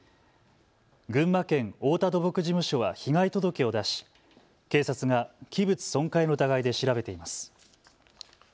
群馬県太田土木事務所は被害届を出し、警察が器物損壊の疑いで調べています。